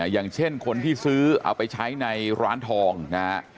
อย่างเช่นคนที่ซื้อเอาไปใช้ในร้านทองนะฮะ